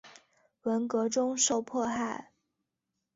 文革中受迫害。